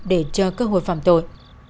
để chờ cơ hội phạm tội